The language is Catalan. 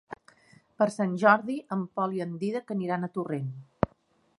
Per Sant Jordi en Pol i en Dídac aniran a Torrent.